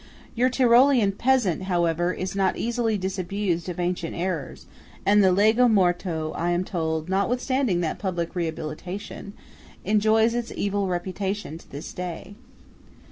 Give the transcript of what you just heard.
Your Tyrolean peasant, however, is not easily disabused of ancient errors, and the Lago Morto, I am told, notwithstanding that public rehabilitation, enjoys its evil reputation to this day.